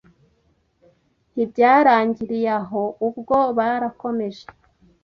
Ntibyarangiriye aho ubwo barakomeje